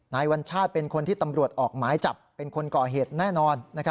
วัญชาติเป็นคนที่ตำรวจออกหมายจับเป็นคนก่อเหตุแน่นอน